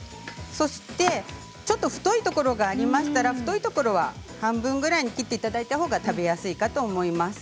ちょっと太いところがありましたら、太いところは半分ぐらいに切っていただいたほうが食べやすいかと思います。